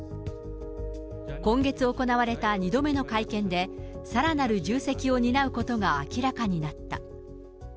今月行われた２度目の会見で、さらなる重責を担うことが明らかになった。